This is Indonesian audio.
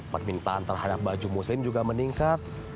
permintaan terhadap baju muslim juga meningkat